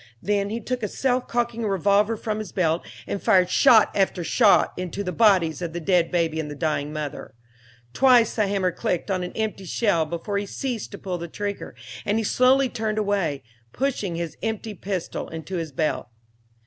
Then he took a self cocking revolver from his belt and fired shot after shot into the bodies of the dead baby and the dying mother. Twice the hammer clicked on an empty shell before he ceased to pull the trigger, and he slowly turned away, pushing his empty pistol into his belt.